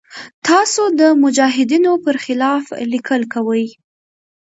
تاسې د مجاهدینو پر خلاف لیکل کوئ.